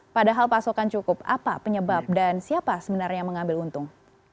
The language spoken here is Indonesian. padahal pasokan cukup apa penyebab dan siapa sebenarnya yang mengambil untung